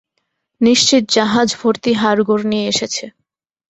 নিশ্চিত জাহজ ভর্তি হাড়-গোড় নিয়ে এসেছে!